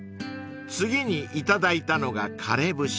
［次にいただいたのが枯節］